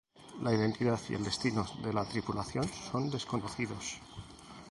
La identidad y el destino de la tripulación son desconocidos.